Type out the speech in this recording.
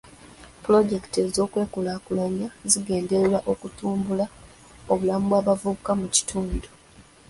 Pulozekiti z'okwekulaakulanya zigendererwa okutumbula obulamu bw'abavubuka mu kitundu.